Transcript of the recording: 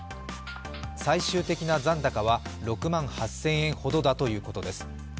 最終的な残高は６万８０００円ほどだということです